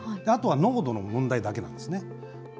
あとは濃度の問題だけなんですね。